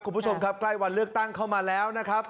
คุณผู้ชมครับใกล้วันเลือกตั้งเข้ามาแล้วนะครับ